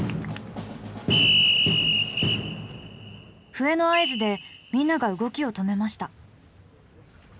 笛の合図でみんなが動きを止めました。